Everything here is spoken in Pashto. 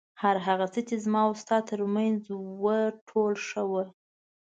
هر هغه څه چې زما او ستا تر منځ و ټول ښه وو.